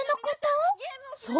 そう！